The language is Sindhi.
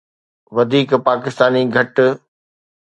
وڌيڪ پاڪستاني گهٽ